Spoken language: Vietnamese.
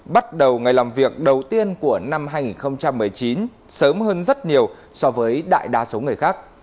bắt đầu ngày làm việc đầu tiên của năm hai nghìn một mươi chín sớm hơn rất nhiều so với đại đa số người khác